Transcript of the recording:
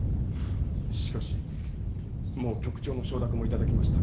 しかしもう局長の承諾も頂きました。